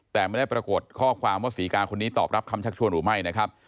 แต่ไม่ได้ปรากฏข้อความว่าศรีกาคนนี้ตอบรับคำชักชวนหรือไม่นะครับ